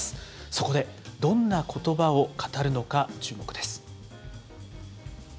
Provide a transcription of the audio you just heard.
そこでどんなことばを語るのか、注目です。